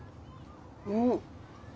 うん。